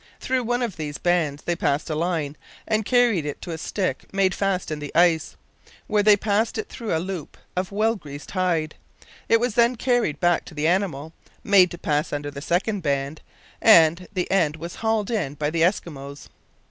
Through one of these bands they passed a line, and carried it to a stick made fast in the ice, where they passed it through a loop of well greased hide. It was then carried back to the animal, made to pass under the second band, and the end was hauled in by the Eskimos.